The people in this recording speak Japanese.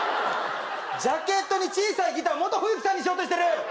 ジャケットに小さいギターモト冬樹さんにしようとしてる！